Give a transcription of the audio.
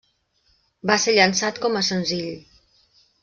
Va ser llançat com a senzill.